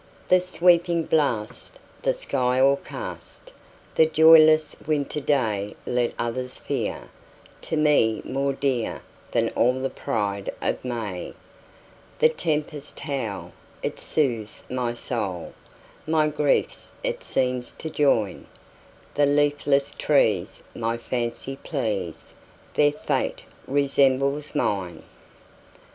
"The sweeping blast, the sky o'ercast,"The joyless winter dayLet others fear, to me more dearThan all the pride of May:The tempest's howl, it soothes my soul, My griefs it seems to join; The leafless trees my fancy please, Their fate resembles mine!